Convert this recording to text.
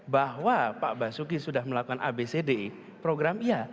bahwa pak basuki sudah melakukan abcd program iya